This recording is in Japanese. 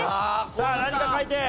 さあ何か書いて！